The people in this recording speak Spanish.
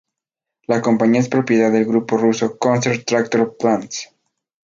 La compañía es propiedad del grupo ruso Concern Tractor Plants.